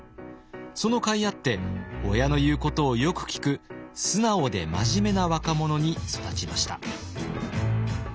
その甲斐あって親の言うことをよく聞く素直で真面目な若者に育ちました。